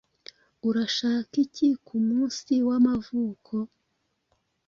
Urashaka iki kumunsi wamavuko?